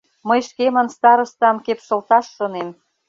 — Мый шкемын старостам кепшылташ шонем.